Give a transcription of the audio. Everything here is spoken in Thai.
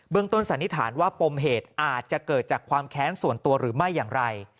ต้นสันนิษฐานว่าปมเหตุอาจจะเกิดจากความแค้นส่วนตัวหรือไม่อย่างไร